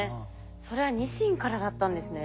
それはニシンからだったんですね。